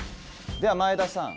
では前田さん